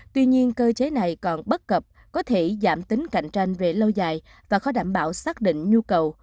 tuy nhiên cơ chế này còn bất cập có thể giảm tính cạnh tranh về lâu dài và khó đảm bảo xác định nhu cầu